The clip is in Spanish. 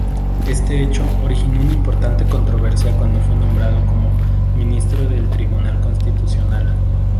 Este hecho originó una importante controversia cuando fue nombrado como Ministro del Tribunal Constitucional.